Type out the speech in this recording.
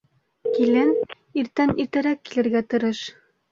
— Килен, иртән иртәрәк килергә тырыш.